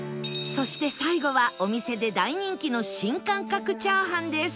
そして最後はお店で大人気の新感覚チャーハンです